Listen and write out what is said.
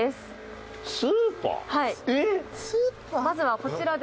まずはこちらで。